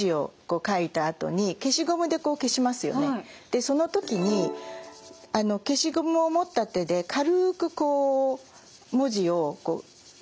でその時に消しゴムを持った手で軽く文字を消しますよね。